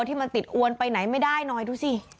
ที่มันติดอวนไปไหนไม่ได้หน่อยดูสิ